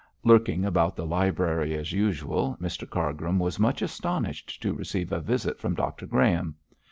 Lurking about the library as usual, Mr Cargrim was much astonished to receive a visit from Dr Graham.